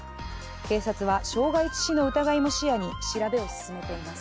警察は傷害致死の疑いも視野に調べを進めています。